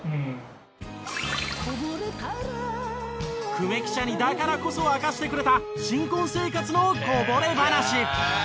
久米記者にだからこそ明かしてくれた新婚生活のこぼれ話。